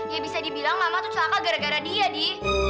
ya bisa dibilang mama tuh celaka gara gara dia nih